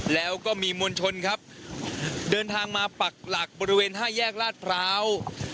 แล้วก็มีมวลชนครับเดินทางมาปักหลักบริเวณห้าแยกลาดพร้าว